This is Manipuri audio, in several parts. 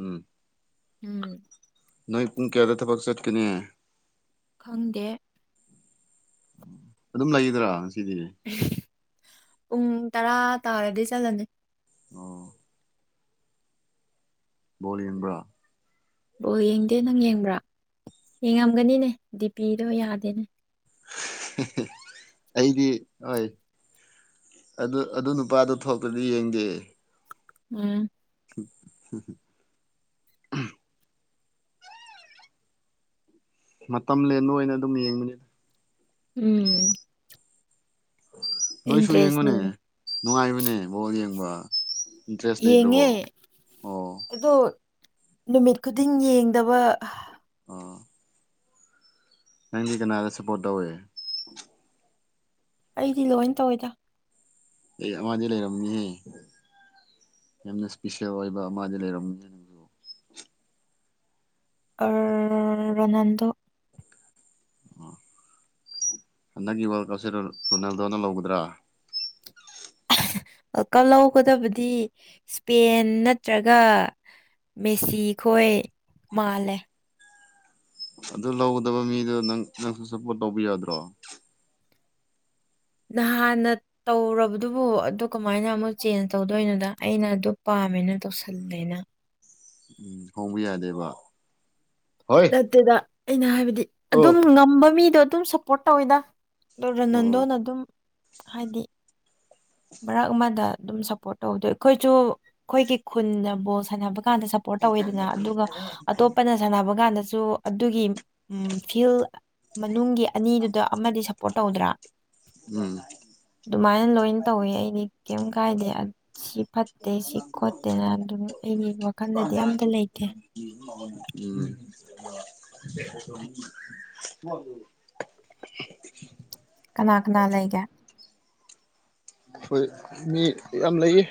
ꯎꯝ ꯎꯝ ꯅꯣꯏ ꯄꯨꯡ ꯀꯌꯥꯗ ꯊꯕꯛ ꯆꯠꯀꯅꯤ ꯈꯪꯗꯦ ꯑꯗꯨꯝ ꯂꯩꯒꯗ꯭ꯔꯥ ꯉꯁꯤꯗꯤ ꯄꯨꯡ ꯇꯔꯥ ꯇꯥꯔꯗꯤ ꯆꯠꯂꯅꯤ ꯑꯣ ꯕꯣꯜ ꯌꯦꯡꯕ꯭ꯔꯥ ꯕꯣꯜ ꯌꯦꯡꯗꯦ ꯅꯪ ꯌꯦꯡꯕ꯭ꯔꯥ ꯌꯦꯡꯉꯝꯒꯅꯤꯅꯦ ꯗꯤ ꯄꯤꯗꯣ ꯌꯥꯗꯦꯅꯦ ꯑꯩꯗꯤ ꯍꯣꯏ ꯑꯗꯨ ꯑꯗꯨ ꯅꯨꯄꯥꯗꯣ ꯊꯣꯛꯄꯗꯤ ꯌꯦꯡꯒꯦ ꯎꯝ ꯝ [inaudible] ꯃꯇꯝ ꯂꯦꯟꯕ ꯑꯣꯏꯅ ꯑꯗꯨꯝ ꯌꯦꯡꯕꯅꯤꯗ ꯎꯝ ꯅꯣꯏꯁꯨ ꯏꯟꯇ꯭ꯔꯦꯁꯅꯤ ꯌꯦꯡꯉꯨꯅꯦ ꯅꯨꯡꯉꯥꯏꯕꯅꯦ ꯕꯣꯜ ꯌꯦꯡꯕ ꯏꯟꯇꯔꯦꯁ ꯂꯩꯇ꯭ꯔꯕꯣ ꯌꯦꯡꯉꯦ ꯑꯣ ꯑꯗꯣ ꯅꯨꯃꯤꯠ ꯈꯨꯗꯤꯡ ꯌꯦꯡꯗꯕ ꯑꯥ ꯅꯪꯗꯤ ꯀꯅꯥꯗ ꯁꯞꯄꯣꯔꯠ ꯇꯧꯋꯦ ꯑꯩꯗꯤ ꯂꯣꯏ ꯇꯧꯋꯦꯗ ꯑꯩ ꯃꯥꯗꯤ ꯂꯩꯔꯝꯅꯤꯍꯦ ꯌꯥꯝꯅ ꯏꯁꯄꯤꯁꯦꯜ ꯑꯣꯏꯕ ꯑꯃꯗꯤ ꯂꯩꯔꯝꯒꯦ ꯔꯣꯅꯥꯜꯗꯣ ꯑꯣ ꯍꯟꯗꯛꯒꯤ ꯋꯥꯔꯀꯞꯁꯦ ꯔꯣꯅꯥꯜꯗꯣꯅ ꯂꯧꯒꯗ꯭ꯔꯥ ꯀꯍꯧꯒꯗꯕꯗꯤ ꯏꯁꯄꯦꯟ ꯅꯠꯇ꯭ꯔꯒ ꯃꯦꯁꯤ ꯈꯣꯏ ꯃꯥꯜꯂꯦ ꯑꯗꯨ ꯂꯧꯒꯗꯕ ꯃꯤꯗꯣ ꯅꯪ ꯅꯪꯁꯨ ꯁꯞꯄꯣꯔꯠ ꯇꯧꯕꯤ ꯌꯥꯗ꯭ꯔꯣ ꯅꯍꯥꯟꯅ ꯇꯧꯔꯕꯗꯨꯕꯨ ꯑꯗꯨ ꯀꯃꯥꯏꯅ ꯑꯃꯨꯛ ꯆꯦꯟꯖ ꯇꯧꯗꯣꯏꯅꯣꯗ ꯑꯩꯅ ꯑꯗꯨ ꯄꯥꯝ ꯉꯃꯦꯅ ꯇꯣꯁꯜꯅꯦꯅ ꯎꯝ ꯍꯣꯡꯕ ꯌꯥꯗꯦꯕ ꯍꯣꯏ ꯅꯠꯇꯦꯗ ꯑꯩꯅ ꯍꯥꯏꯕꯗꯤ ꯑꯣ ꯑꯗꯨꯝ ꯉꯝꯕ ꯃꯤꯗꯣ ꯑꯗꯨꯝ ꯁꯞꯄꯣꯔꯠ ꯇꯧꯋꯤꯗ ꯑꯗ ꯑꯣ ꯔꯣꯅꯟꯗꯣꯅ ꯑꯗꯨꯝ ꯍꯥꯏꯗꯤ ꯚꯛ ꯑꯃꯗ ꯑꯗꯨꯝ ꯁꯞꯄꯣꯔꯠ ꯇꯧꯕꯗꯣ ꯑꯩꯈꯣꯏꯁꯨ ꯑꯩꯈꯣꯏꯒꯤ ꯈꯨꯟꯗ ꯕꯣꯜ ꯁꯥꯟꯅꯕ ꯀꯥꯟꯗ ꯁꯞꯄꯣꯔꯠ ꯇꯧꯋꯦꯗꯅ ꯑꯗꯨꯒ ꯑꯇꯣꯞꯄꯅ ꯁꯥꯟꯅꯕ ꯀꯥꯟꯗꯁꯨ ꯑꯗꯨꯒꯤ ꯐꯤꯜ ꯃꯅꯨꯡꯒꯤ ꯑꯅꯤꯗꯨꯗ ꯑꯃꯗꯤ ꯁꯞꯄꯣꯔꯠ ꯇꯧꯗ꯭ꯔꯥ ꯎꯝ ꯑꯗꯨꯃꯥꯏꯅ ꯂꯣꯏ ꯇꯧꯋꯤ ꯑꯩꯗꯤ ꯀꯩꯝ ꯀꯥꯏꯗꯦ ꯁꯤ ꯐꯠꯇꯦ ꯁꯤ ꯈꯣꯠꯇꯦꯅ ꯑꯗꯨ ꯑꯩꯒꯤ ꯋꯥꯈꯜꯗꯗꯤ ꯑꯝꯇ ꯂꯩꯇꯦ ꯎꯝ [inaudible] ꯀꯅꯥ ꯀꯅꯥ ꯂꯩꯒꯦ ꯍꯣꯏ ꯃꯤ ꯌꯥꯝ ꯂꯩꯌꯦ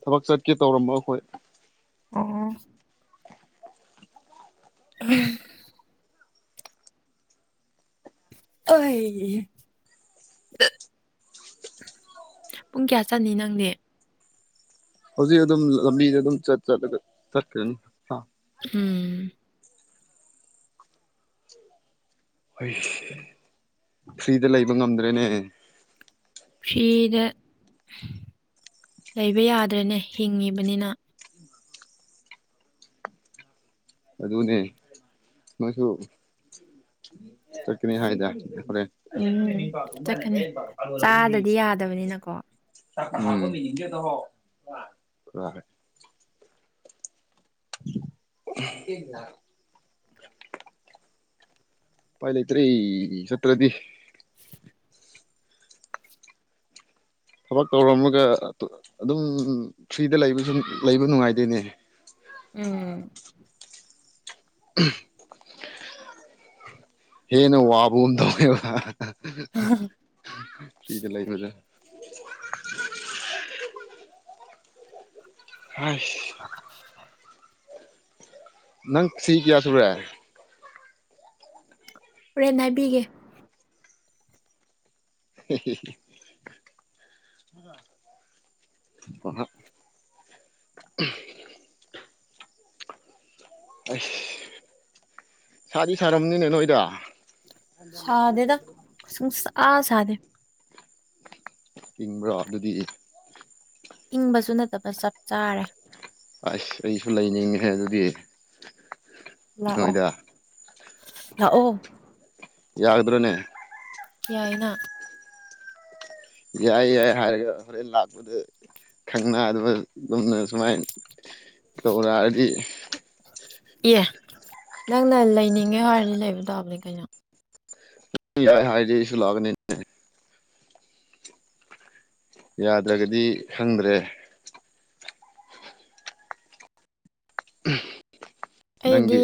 ꯊꯕꯛ ꯆꯠꯀꯦ ꯇꯧꯔꯝꯕ ꯑꯈꯣꯏ ꯑꯣ ꯎꯝ ꯑꯣꯏ ꯄꯨꯡ ꯀꯌꯥ ꯆꯠꯅꯤ ꯅꯪꯅꯦ ꯍꯧꯖꯤꯛ ꯑꯗꯨꯝ ꯂꯝꯕꯤꯁ ꯑꯗꯨꯝꯠꯂ ꯆꯠꯈ꯭ꯔꯅꯤ ꯎꯝ ꯍꯣꯏ ꯐ꯭ꯔꯤꯗ ꯂꯩꯕ ꯉꯝꯗ꯭ꯔꯦꯅꯦ ꯐꯔꯤꯗ ꯂꯩꯕ ꯌꯥꯗ꯭ꯔꯦꯅꯦ ꯍꯤꯡꯉꯤꯕꯅꯤꯅ ꯑꯗꯨꯅꯦ ꯃꯁꯨ ꯆꯀꯅꯤ ꯍꯥꯏꯗ ꯅ ꯄ ꯎꯝ ꯀ ꯆꯠꯀꯅꯤ ꯄ ꯆꯥꯗꯗꯤ ꯌꯥꯗꯕꯅꯤꯅꯀꯣ ꯑꯣꯏꯔ ꯖꯗꯍꯣ ꯑꯦ ꯄꯥꯏ ꯂꯩ ꯏꯇ꯭ꯔꯦ ꯁꯇꯗꯤ ꯊꯕꯛ ꯇꯧꯔꯝꯃꯒ ꯑꯗꯨꯝ ꯐ꯭ꯔꯤꯗ ꯂꯩꯕꯁꯨ ꯂꯩꯕ ꯅꯨꯡꯉꯥꯏꯗꯣꯏꯅꯦ ꯎꯝ ꯍꯦ ꯅ ꯋꯥꯕꯨꯗ ꯐꯔꯤꯗ ꯂꯩ ꯃꯖꯥ [unintelligible] ꯍ ꯑ ꯅꯪ ꯁꯤ ꯀꯌꯥꯁꯨꯔꯦ ꯍꯣꯔꯦꯟ ꯅꯥꯕꯤꯒꯦ [inaudible] ꯄꯥ [inaudible] ꯑꯁ ꯁꯥꯗꯤ ꯁꯥꯔꯝꯅꯤꯅ ꯅꯣꯏꯗ ꯁꯥꯗꯦꯗ ꯑꯥ ꯁꯥꯥꯗꯦ ꯍꯤꯡꯕ꯭ꯔꯣ ꯑꯗꯨꯗꯤ ꯏꯪꯕꯁꯨ ꯅꯠꯇꯕ ꯆꯞ ꯆꯥꯔꯦ ꯑꯁ ꯑꯩꯁꯨ ꯂꯩꯅꯤꯡꯉꯦ ꯑꯗꯨꯗꯤ ꯂꯥꯛꯑꯣ ꯅꯣꯏꯗ ꯂꯥꯛꯑꯣ ꯌꯥꯒꯗ꯭ꯔꯣꯅꯦ ꯌꯥꯏꯅ ꯌꯥꯏ ꯌꯥꯏ ꯍꯥꯏꯔꯒ ꯍꯣꯔꯦꯟ ꯂꯥꯛꯄꯗ ꯊꯪꯅꯥꯗꯕ ꯑꯗꯨꯝꯅ ꯁꯨꯃꯥꯏ ꯇꯧꯔꯛꯔꯗꯤ ꯑꯦ ꯅꯪꯅ ꯂꯩꯅꯤꯡꯉꯦ ꯍꯥꯏꯔꯅꯤ ꯂꯩꯕ ꯇꯥꯕꯅꯦ ꯀꯩꯅꯣ ꯌꯥ ꯍꯗꯤꯁꯨ ꯂꯒꯅꯤꯅꯤ ꯌꯥꯗ꯭ꯔꯒꯗꯤ ꯈꯪꯗ꯭ꯔꯦ ꯑꯩꯗꯤ ꯅꯪꯒꯤ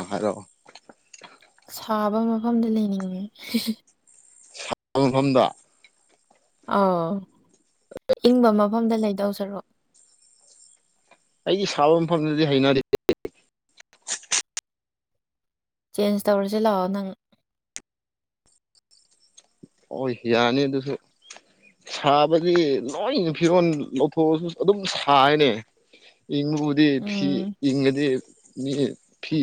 ꯑ ꯍꯔꯣ ꯁꯥꯕ ꯃꯐꯝꯗ ꯂꯩꯅꯤꯡꯉꯦ ꯊꯐꯝꯐꯝꯗ ꯑꯥꯎ ꯏꯪꯕ ꯃꯐꯝꯗ ꯂꯩꯗꯧ ꯁꯔꯨꯛ ꯑꯩꯒꯤ ꯁꯥꯕ ꯃꯐꯝꯗꯗꯤ ꯍꯩꯅꯔꯤ ꯆꯦꯟꯖ ꯇꯧꯔꯁꯤ ꯂꯥꯛꯑꯣ ꯅꯪ ꯑꯣ ꯌꯥ ꯌꯥꯅꯤ ꯑꯗꯨꯁꯨ ꯁꯥꯕꯗꯤ ꯂꯣꯏ ꯐꯤꯔꯣꯜ ꯂꯧꯊꯣꯛꯑꯁꯨ ꯑꯗꯨꯝ ꯁꯥꯅꯦ ꯏꯗꯤ ꯐ ꯎꯝ ꯏꯉꯗꯤ ꯃꯤ ꯐꯤ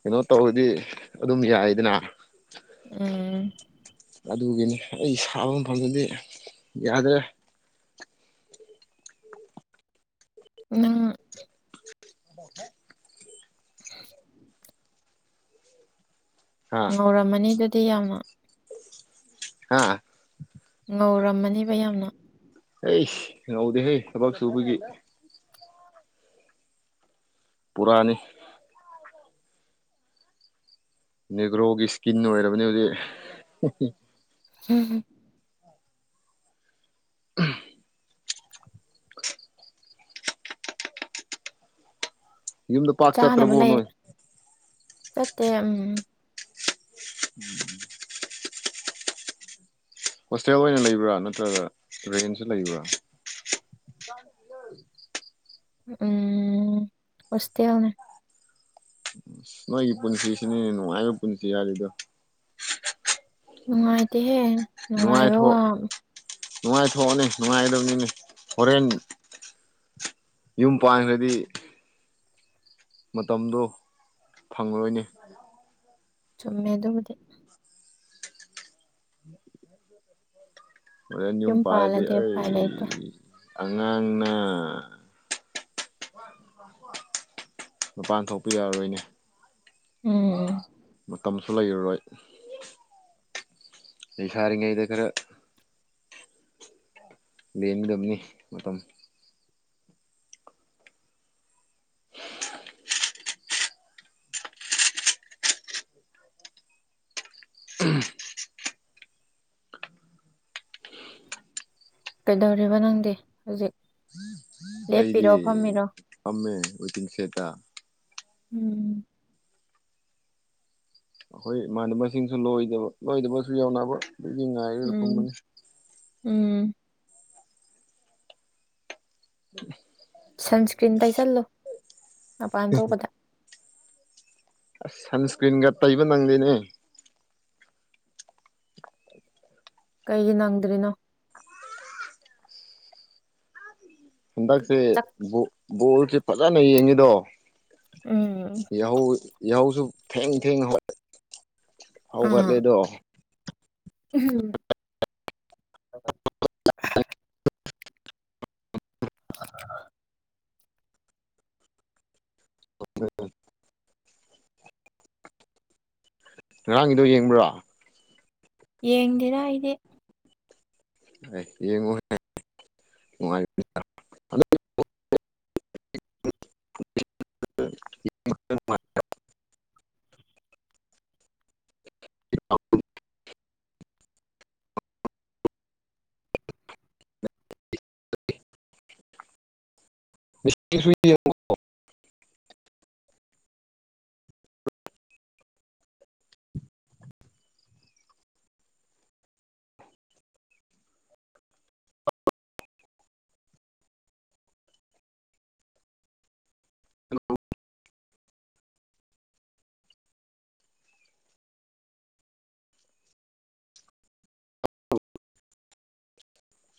ꯀꯩꯅꯣ ꯇꯧꯔꯗꯤ ꯑꯗꯨꯝ ꯌꯥꯏꯗꯅ ꯎꯝ ꯑꯗꯨꯒꯤꯅꯤ ꯑꯩ ꯁꯥꯕ ꯃꯐꯝꯗꯨꯗꯤ ꯌꯥꯗ꯭ꯔꯦ ꯑ ꯑꯣꯊꯦ ꯑꯦ ꯍꯥ ꯉꯧꯔꯝꯃꯅꯤ ꯑꯗꯨꯗꯤ ꯌꯥꯝꯅ ꯑꯥ ꯉꯧꯔꯝꯃꯅꯦꯕ ꯌꯥꯝꯅ ꯍ ꯍꯧꯗ ꯍꯦ ꯁꯕꯁꯨ ꯎꯕꯒꯤ ꯄꯨꯔꯥꯅꯤ ꯅꯦꯒ꯭ꯔꯣꯒꯤ ꯏꯁꯀꯤꯟ ꯑꯣꯏꯔꯕꯅꯤ ꯍꯧꯖꯤꯛ꯫ ꯎꯝ ꯎꯝ꯫ ꯎ꯫ ꯌꯨꯝꯗ ꯄꯥꯛ ꯆꯠꯇ꯭ꯔꯕꯣ ꯅꯣꯏ ꯆꯠꯇ ꯎꯝ ꯎꯝ ꯍꯣꯁꯇꯦꯜ ꯑꯣꯏꯅ ꯂꯩꯕ꯭ꯔꯥ ꯅꯠꯇ꯭ꯔꯒ ꯔꯦꯟꯁꯨ ꯂꯩꯕ꯭ꯔꯥ ꯎ ꯎꯝ ꯍꯣꯁꯇꯦꯜ ꯅꯦ꯫ ꯅꯣꯏꯒꯤ ꯄꯨꯟꯁꯤꯁꯤꯅꯦ ꯅꯨꯡꯉꯥꯏꯕ ꯄꯨꯟꯁꯤ ꯍꯥꯏꯔꯤꯗꯣ꯫ ꯅꯨꯡꯉꯥꯏꯇꯦꯍꯦ ꯅꯨꯡꯉꯥꯏꯕ ꯋꯥ꯫ ꯅꯨꯡꯉꯥꯏꯊꯣꯛꯑꯅꯤ ꯅꯨꯡꯉꯥꯏꯗꯕꯅꯤꯅꯤ ꯍꯣꯔꯦꯟ꯫ ꯌꯨꯝ ꯄꯥꯟꯈ꯭ꯔꯗꯤ꯫ ꯃꯇꯝꯗꯣ ꯐꯪꯂꯔꯣꯏꯅꯤ꯫ ꯆꯨꯝꯃꯦ ꯑꯗꯨꯕꯨꯗꯤ ꯃꯔꯅꯤꯨꯝ ꯌꯨꯝ ꯄꯥꯔꯗꯤ ꯄꯥꯜꯂꯗꯤ ꯑꯩ ꯎꯄꯥꯏ ꯂꯩꯇꯦ ꯑꯉꯥꯡꯅ ꯃꯄꯥꯟ ꯊꯣꯛꯄ ꯌꯥꯔꯔꯣꯏꯅꯦ ꯎꯝ ꯃꯇꯝꯁꯨ ꯂꯩꯔꯔꯣꯏ ꯑꯩ ꯁꯥꯔꯉꯩꯗ ꯈꯔ ꯂꯦꯝꯒꯗꯕꯅꯤ ꯃꯇꯝ ꯀꯩꯗꯧꯔꯤꯕ ꯅꯪꯗꯤ ꯍꯧꯖꯤꯛ ꯂꯦꯞꯄꯤꯔꯣ ꯐꯝꯃꯤꯔꯣ ꯁꯦꯗ ꯎꯝ ꯑꯩꯈꯣꯏ ꯏꯃꯅꯕ ꯃꯁꯤꯡꯁꯨ ꯂꯣꯏꯗꯕ ꯂꯣꯏꯗꯕꯁꯨ ꯌꯥꯎꯅꯕ ꯉꯥꯏꯂ ꯄ ꯎꯝ ꯃꯅꯤ ꯎꯝ ꯁꯟꯁꯀ꯭ꯔꯤꯟ ꯇꯩꯁꯜꯂꯨ ꯃꯄꯥꯟ ꯊꯣꯛꯄꯗ ꯑꯁ ꯁꯟꯁꯀ꯭ꯔꯤꯟꯒ ꯇꯩꯕ ꯅꯪꯗꯦꯅꯦ ꯀꯩꯒꯤ ꯅꯪꯗ꯭ꯔꯤꯅꯣ ꯍꯟꯗꯛꯁꯦ ꯆꯥꯛ ꯕꯣꯜꯁꯦ ꯐꯖꯅ ꯌꯦꯡꯉꯤꯗꯣ ꯎꯝ ꯌꯥꯍ ꯌꯥꯍꯧꯁꯨ ꯊꯦꯡ ꯊꯦꯡ ꯍ ꯑꯥ ꯍꯧꯒꯠꯂꯦꯗꯣ ꯎꯝ ꯫ ꯍꯣꯏ꯫ ꯉꯔꯥꯡꯒꯤꯗꯣ ꯌꯦꯡꯕ꯭ꯔꯥ꯫ ꯌꯦꯡꯗꯅ ꯏꯗꯤ꯫ ꯌꯦꯡꯉꯨ ꯅꯨꯡꯉꯥꯏ꯫ [unintelligible] [inaudible] ꯫ [unintelligible] [inaudible]